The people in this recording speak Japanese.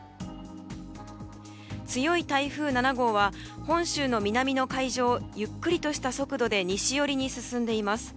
強い台風７号は本州の南の海上をゆっくりとした速度で西寄りに進んでいます。